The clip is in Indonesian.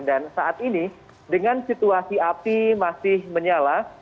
dan saat ini dengan situasi api masih menyala